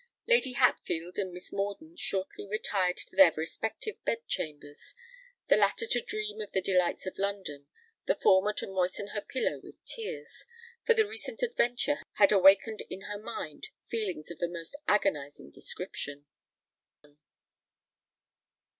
Lady Hatfield and Miss Mordaunt shortly retired to their respective bed chambers: the latter to dream of the delights of London—the former to moisten her pillow with tears; for the recent adventure had awakened in her mind feelings of the most agonising description.